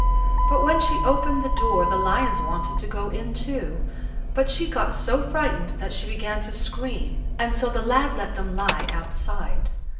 But when she opened the door the lions wanted to go in too, but she got so frightened that she began to scream, and so the lad let them lie outside.